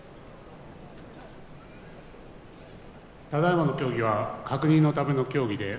ただいまの協議は確認のための協議です。